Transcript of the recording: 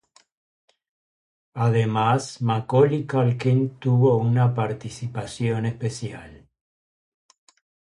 Además Macaulay Culkin tuvo una participación especial.